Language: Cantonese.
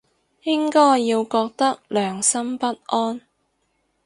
應該要覺得良心不安